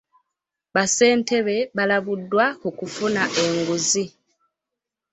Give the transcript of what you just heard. Bassentebe baalabuddwa ku kufuna enguzi.